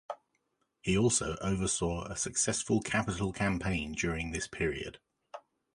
He also oversaw a successful capital campaign during this period.